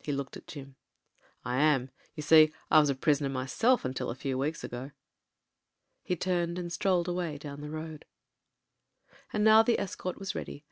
He looked at Jim. "I am. You see, I was a prisoner myself until a few weeks ago." He turned and strolled away down the road. ... And now the escort was ready.